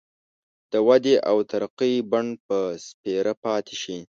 د ودې او ترقۍ بڼ به سپېره پاتي شي.